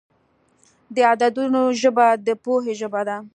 د عددونو ژبه د پوهې ژبه ده.